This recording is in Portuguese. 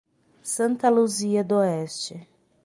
Santa Luzia d'Oeste